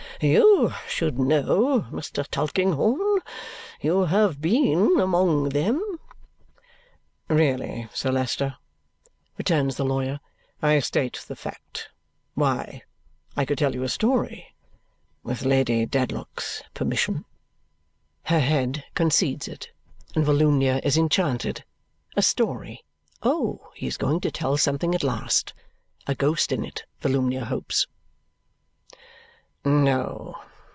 You should know, Mr. Tulkinghorn. You have been among them." "Really, Sir Leicester," returns the lawyer, "I state the fact. Why, I could tell you a story with Lady Dedlock's permission." Her head concedes it, and Volumnia is enchanted. A story! Oh, he is going to tell something at last! A ghost in it, Volumnia hopes? "No.